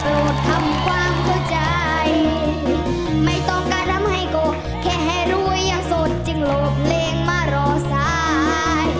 โหลดทำความเข้าใจไม่ต้องการทำให้ก็แค่ให้รวยยังสดจึงโหลดลงมารอสาย